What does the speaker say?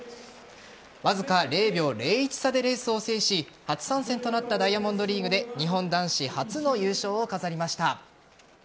わずか０秒０１差でレースを制し初参戦となったダイヤモンドリーグで日本男子初の優勝を飾りました。